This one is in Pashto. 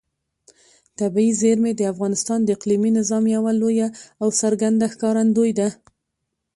طبیعي زیرمې د افغانستان د اقلیمي نظام یوه لویه او څرګنده ښکارندوی ده.